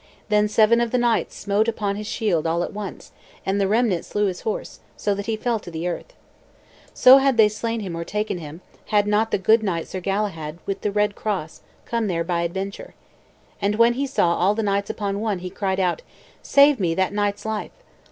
Then seven of the knights smote upon his shield all at once, and the remnant slew his horse, so that he fell to the earth. So had they slain him or taken him, had not the good knight Sir Galahad, with the red cross, come there by adventure. And when he saw all the knights upon one, he cried out, "Save me that knight's life."